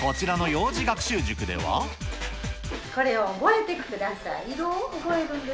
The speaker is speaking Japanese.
これを覚えてください。